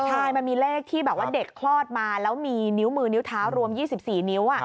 ใช่มันมีเลขที่แบบว่าเด็กคลอดมาแล้วมีนิ้วมือนิ้วเท้ารวม๒๔นิ้ว